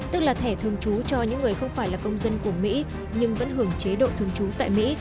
tức là thẻ thường trú cho những người không phải là công dân của mỹ nhưng vẫn hưởng chế độ thường trú tại mỹ